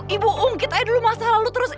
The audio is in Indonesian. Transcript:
ibu ungkit aja dulu masa lalu terus